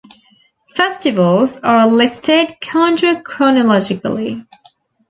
Festivals are listed counter-chronologically.